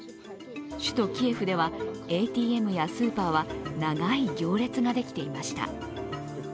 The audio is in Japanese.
首都キエフではＡＴＭやスーパーは長い行列ができていました。